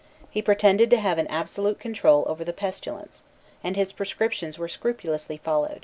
He pretended to have an absolute control over the pestilence, and his prescriptions were scrupulously followed.